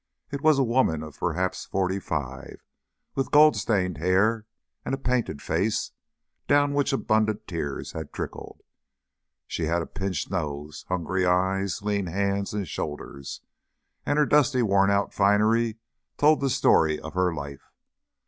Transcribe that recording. It was a woman of perhaps forty five, with gold stained hair and a painted face, down which abundant tears had trickled; she had a pinched nose, hungry eyes, lean hands and shoulders, and her dusty worn out finery told the story of her life.